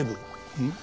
うん？